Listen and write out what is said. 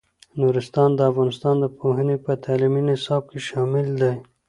نورستان د افغانستان د پوهنې په تعلیمي نصاب کې شامل دی.